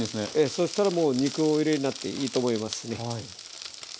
そしたらもう肉をお入れになっていいと思いますね。